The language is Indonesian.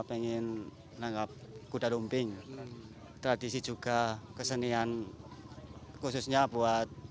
emang selama ini juga senang ya